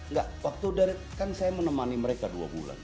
enggak waktu dari kan saya menemani mereka dua bulan